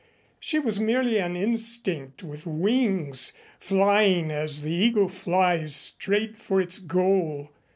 She was merely an instinct with wings, flying as the eagle flies straight for its goal.